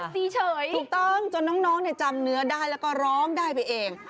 สีเฉยถูกต้องจนน้องจำเนื้อได้แล้วก็ร้องได้ไปเอง